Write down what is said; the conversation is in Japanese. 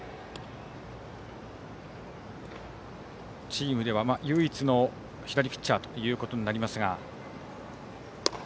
チームでは唯一の左ピッチャーとなります。